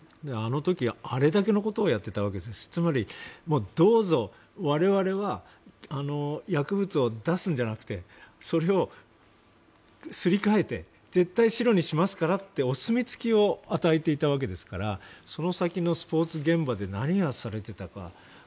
あの時は、あれだけのことをやっていたわけでつまり、どうぞ我々は薬物を出すんじゃなくてそれをすり替えて絶対白にしますからとお墨付きを与えていたわけですからその先のスポーツ現場で何がされていたか。